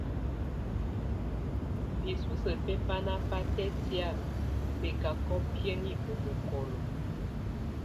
Bisusə bɛ bana batɛtkia bɛcacɔ biəŋi ɔ mokolo.